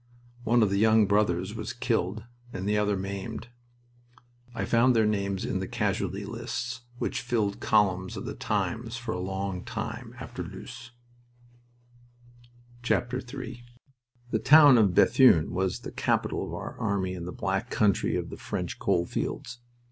One of the young brothers was killed and the other maimed. I found their names in the casualty lists which filled columns of The Times for a long time after Loos. III The town of Bethune was the capital of our army in the Black Country of the French coal fields.